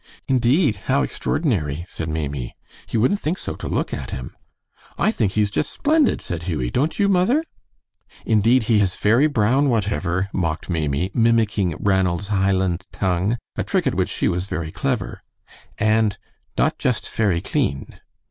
"Indeed! how extraordinary!" said Maimie; "you wouldn't think so to look at him." "I think he is just splendid," said Hughie; "don't you, mother?" "Indeed, he is fery brown whatever," mocked Maimie, mimicking Ranald's Highland tongue, a trick at which she was very clever, "and not just fery clean."